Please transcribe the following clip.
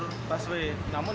dan di antara anggota